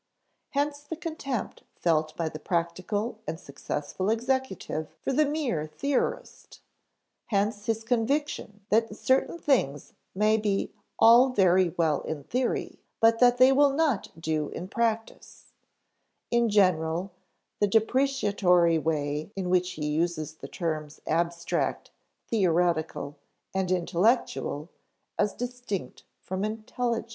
Hence the contempt felt by the practical and successful executive for the "mere theorist"; hence his conviction that certain things may be all very well in theory, but that they will not do in practice; in general, the depreciatory way in which he uses the terms abstract, theoretical, and intellectual as distinct from intelligent.